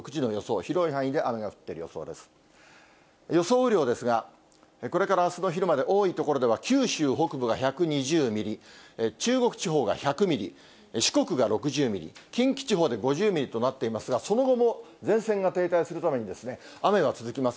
雨量ですが、これからあすの昼まで、多い所では、九州北部が１２０ミリ、中国地方が１００ミリ、四国が６０ミリ、近畿地方で５０ミリとなっていますが、その後も前線が停滞するために、雨は続きます。